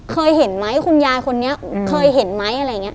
เคยเห็นไหมคุณยายคนนี้เคยเห็นไหมอะไรอย่างนี้